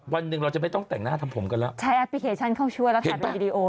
วันหนึ่งเราจะไม่ต้องแต่งหน้าทำผมกันแล้วใช้แอปพลิเคชันเข้าช่วยแล้วถ่ายเป็นวีดีโอ